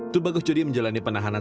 tubagus jodi menjalani penahanan